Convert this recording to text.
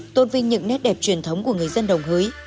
tôn vinh những nét đẹp truyền thống của người dân đồng hới